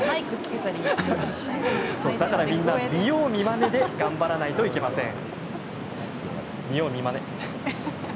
だからみんな見よう見まねで頑張らないといけません。